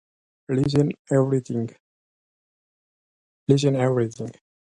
Telemetry returned some data.